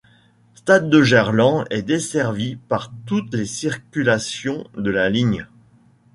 Stade de Gerland est desservie par toutes les circulations de la ligne.